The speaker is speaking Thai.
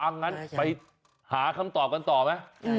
งั้นไปหาคำตอบกันต่อไหม